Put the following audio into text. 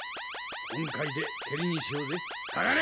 今回でケリにしようぜかかれ！